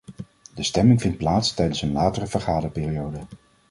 De stemming vindt plaats tijdens een latere vergaderperiode.